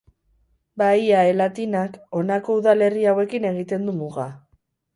Baia e Latinak honako udalerri hauekin egiten du muga.